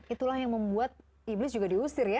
itulah yang membuat iblis juga diusir ya